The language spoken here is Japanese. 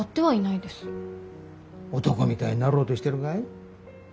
男みたいになろうとしてるかい？